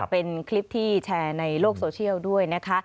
เป็นคลิปที่แชร์ในโลกโซเชียลด้วยนะคะ